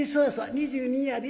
２２やで」。